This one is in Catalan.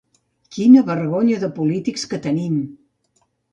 Quina vergonya de polítics que tenim!